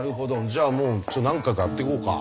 じゃあもうちょっと何回かやっていこうか。